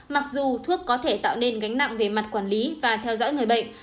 mặc dù thuốc có thể tạo nên gánh nặng về mặt quản lý và theo dõi người bệnh